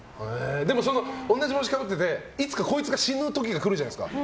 同じ帽子かぶってていつか、こいつが死ぬ時が来るじゃないですか。